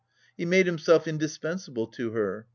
He made himself indispensable to her.